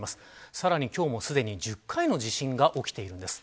さらに今日もすでに１０回の地震が起きているんです。